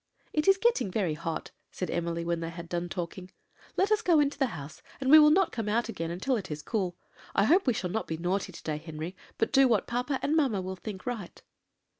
"It is getting very hot," said Emily, when they had done talking; "let us go into the house, and we will not come out again until it is cool. I hope we shall not be naughty to day, Henry, but do what papa and mamma will think right."